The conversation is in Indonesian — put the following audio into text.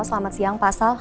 selamat siang pak sal